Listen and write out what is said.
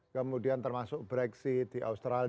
kemudian termasuk brexit di australia